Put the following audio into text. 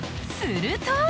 すると］